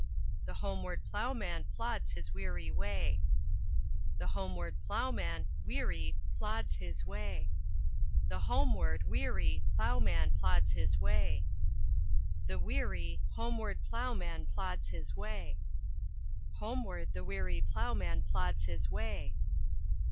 The homeward ploughman plods his weary way. The homeward ploughman, weary, plods his way. The homeward, weary, ploughman plods his way. The weary, homeward ploughman plods his way. Homeward the weary ploughman plods his way.